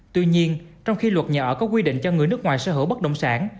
tuy nhiên trong khi luật nhà ở có quy định cho người nước ngoài sở hữu bất động sản